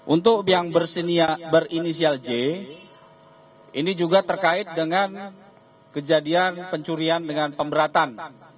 untuk yang berinisial j ini juga terkait dengan kejadian pencurian dengan pemberatan